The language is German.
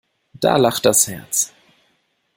Da lacht das Herz.